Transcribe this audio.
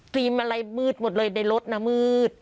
อะไรมืดหมดเลยในรถนะมืด